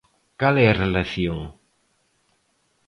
Cal é a relación?